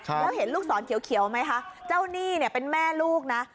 และเห็นลูกสอนเขียวมั้ยคะเจ้านี่เป็นแม่ลูกนะ